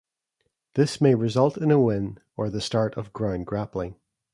This may result in a win, or the start of ground grappling.